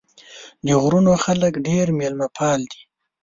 د غرونو خلک ډېر مېلمه پال دي.